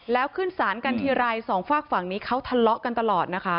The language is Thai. แล้วขึ้นสารกันทีไรสองฝากฝั่งนี้เขาทะเลาะกันตลอดนะคะ